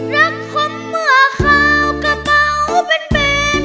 รักของเหมือขาวกระเป๋าเป็นเบน